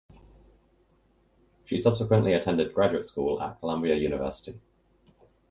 She subsequently attended graduate school at Columbia University.